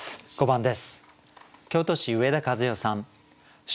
５番です。